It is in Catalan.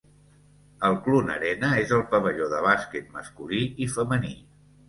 El Clune Arena és el pavelló de bàsquet masculí i femení.